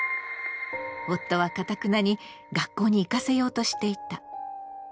夫はかたくなに学校に行かせようとしていた。